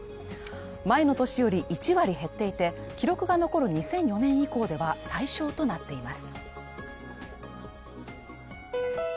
前の年より１割減っていて記録が残る２００４年以降では最少となっています。